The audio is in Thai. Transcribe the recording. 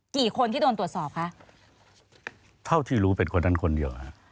กี่คนที่โดนตรวจสอบคะเท่าที่รู้เป็นคนนั้นคนเดียวฮะ